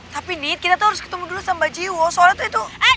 tapi nih kita tuh harus ketemu dulu sama jiwo soalnya tuh itu